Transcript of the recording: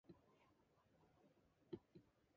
Freestanding reflex bags also exist.